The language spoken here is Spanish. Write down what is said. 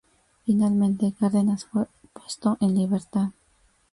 Finalmente, Cárdenas fue puesto en libertad.